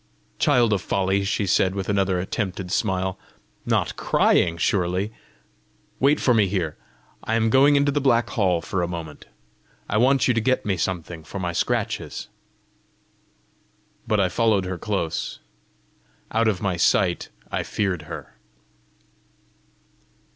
"Child of folly!" she said, with another attempted smile, " not crying, surely! Wait for me here; I am going into the black hall for a moment. I want you to get me something for my scratches." But I followed her close. Out of my sight I feared her.